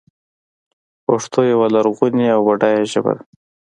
پښتو یوه لرغونې او بډایه ژبه ده.